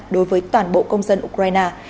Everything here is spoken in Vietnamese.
đối với toàn bộ công dân ukraine